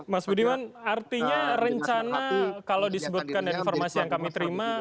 mas budiman artinya rencana kalau disebutkan dari informasi yang kami terima